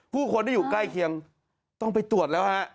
ผู้คนที่อยู่ใกล้เคียงต้องไปตรวจแล้วฮะ